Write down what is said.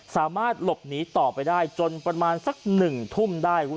สามารถหลบหนีต่อไปได้จนประมาณสัก๑ทุ่มได้